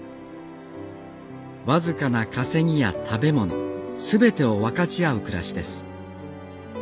僅かな稼ぎや食べ物全てを分かち合う暮らしです